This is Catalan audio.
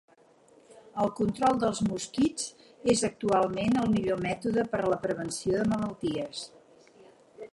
El control dels mosquits és actualment el millor mètode per a la prevenció de malalties.